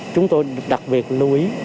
chúng tôi đặc biệt lưu ý